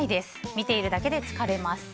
見ているだけで疲れます。